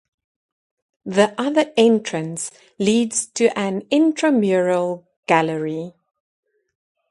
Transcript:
The other entrance leads to an intramural gallery.